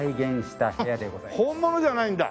本物じゃないんだ。